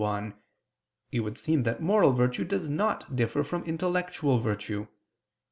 Objection 1: It would seem that moral virtue does not differ from intellectual virtue.